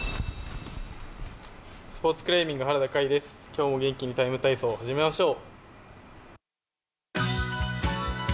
今日も元気に「ＴＩＭＥ，体操」始めましょう。